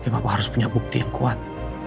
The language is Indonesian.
bapak harus punya bukti yang kuat